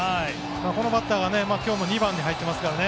このバッターが今日も２番に入っていますからね。